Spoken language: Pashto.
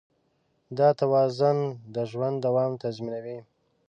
دا توازن د ژوند دوام تضمینوي.